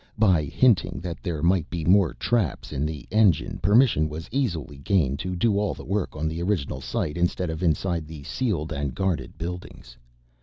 By hinting that there might be more traps in the engine permission was easily gained to do all the work on the original site instead of inside the sealed and guarded buildings.